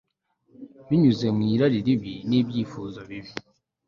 binyuze mu irari ribi nibyifuzo bibi